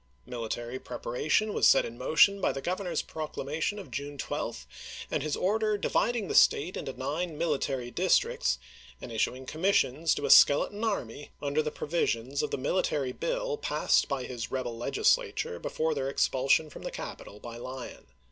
Military preparation was set in motion by the Governor's proclamation of June 12 and his order dividing the State into nine military districts and issuing commissions to a skeleton army under the provisions of the military bill passed by his rebel Legislature before their expulsion from the capital by Lyon.